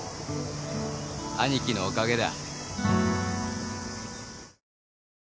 兄貴のおかげだよ。